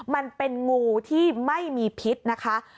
มันเป็นงูที่ไม่มีพิษนะคะ